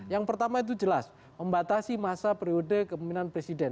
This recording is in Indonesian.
yang pertama itu jelas membatasi masa periode kemimpinan presiden